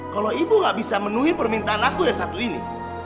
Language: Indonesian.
kalau ibu gak bisa menuhi permintaan aku yang satu ini